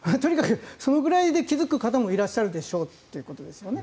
それぐらいで気付く方もいらっしゃるでしょうということですよね。